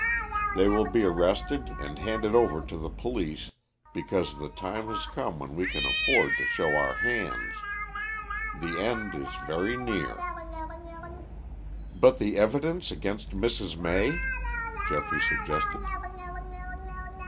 They will be arrested and handed over to the police because the time has come when we can afford to show our hands. The end is very near." "But the evidence against Mrs. May?" Geoffrey suggested.